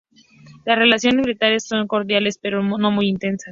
Las relaciones bilaterales son cordiales, pero no muy intensas.